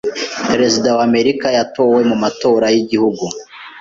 Perezida wa Amerika yatowe mu matora y’igihugu.